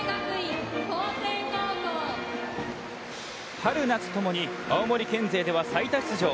春夏ともに、青森県勢では最多出場。